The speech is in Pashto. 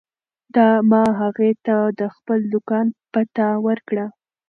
ما هغې ته د خپل دوکان پته ورکړه.